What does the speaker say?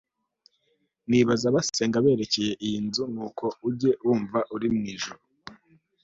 nibaza basenga berekeye iyi nzu, nuko ujye wumva uri mu ijuru